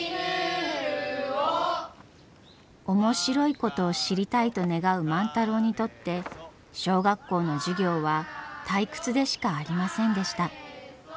面白いことを知りたいと願う万太郎にとって小学校の授業は退屈でしかありませんでした。